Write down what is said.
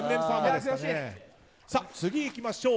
次、いきましょう。